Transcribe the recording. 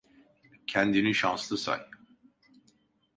Kendini şanslı say.